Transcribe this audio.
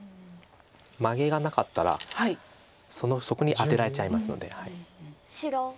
マゲがなかったらそこにアテられちゃいますので。